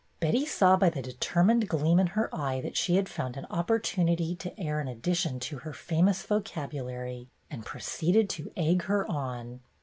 Betty saw by the determined gleam in her eye that she had found an opportunity to air an addition to her famous vocabulary, and proceeded to egg her on.